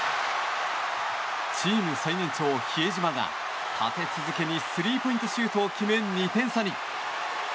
チーム最年長、比江島が立て続けにスリーポイントシュートを決め２点差に。